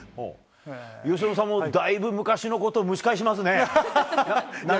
由伸さんもだいぶ昔のことを蒸し返しますね。